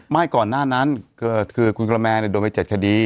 ไม่ก่อนหน้านั้นคือคุณกระแมโดนไปเจ็ดคดี